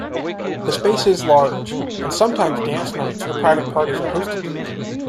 The space is large and sometimes dance nights or private parties are hosted there.